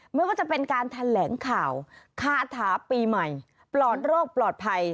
ไม่ว่าจะเป็นการแถลงข่าวคาถาปีใหม่ปลอดโรคปลอดภัย